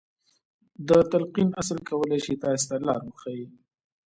د تلقين اصل کولای شي تاسې ته لار وښيي.